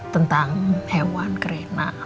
tentang hewan kerenak